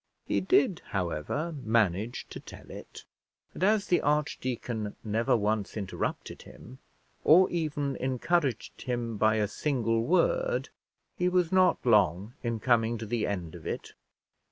He did, however, manage to tell it; and as the archdeacon never once interrupted him, or even encouraged him by a single word, he was not long in coming to the end of it.